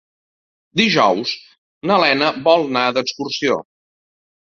Dijous na Lena vol anar d'excursió.